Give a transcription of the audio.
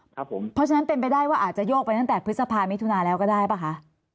เพราะฉะนั้นเป็นไปได้ว่าอาจจะโยกไปตั้งแต่พฤษภามิถุนาแล้วก็ได้ป่ะคะ